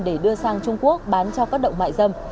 để đưa sang trung quốc bán cho các động mại dâm